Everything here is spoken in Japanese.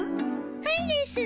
はいですぅ。